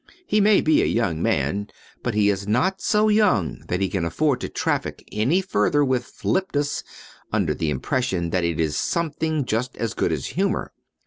He may be a young man but he is not so young that he can afford to traffic any further with flipness under the impression that it is something just as good as humor.